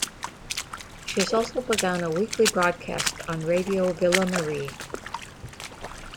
She has also begun a weekly broadcast on Radio Ville-Marie.